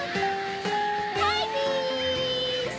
ハイビス！